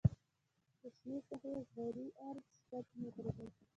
د شنې ساحې اصغري عرض شپږ متره دی